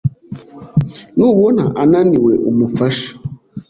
nubona ananiwe umufashe